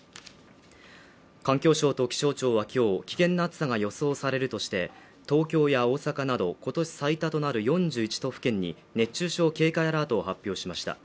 環境省と気象庁はきょう危険な暑さが予想されるとして東京や大阪など今年最多となる４１都府県に熱中症警戒アラートを発表しました